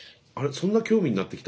そんな興味になってきた？